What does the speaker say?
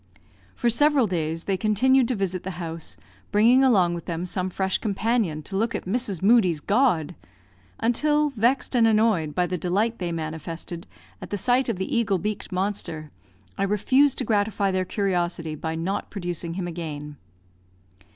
For several days they continued to visit the house, bringing along with them some fresh companion to look at Mrs. Moodie's god! until, vexed and annoyed by the delight they manifested at the sight of the eagle beaked monster, I refused to gratify their curiosity by not producing him again.